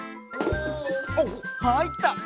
おっはいった！